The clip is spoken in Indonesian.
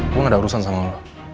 gue gak ada urusan sama